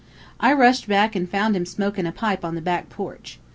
"I rushed back an' foun' him smokin' a pipe on a back porch.